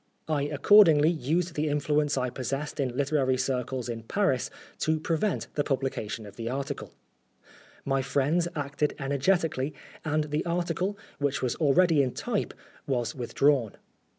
I accordingly used the influence I possessed in literary circles in Paris to prevent the publication of the article. My 204 Oscar Wilde friends acted energetically, and the article, which was already in type, was withdrawn.